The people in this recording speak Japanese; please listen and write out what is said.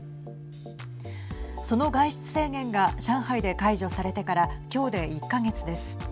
その外出制限が上海で解除されてからきょうで１か月です。